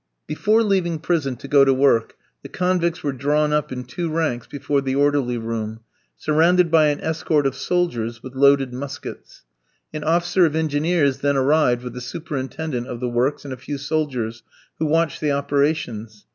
Before leaving prison to go to work, the convicts were drawn up in two ranks before the orderly room, surrounded by an escort of soldiers with loaded muskets. An officer of Engineers then arrived, with the superintendent of the works and a few soldiers, who watched the operations.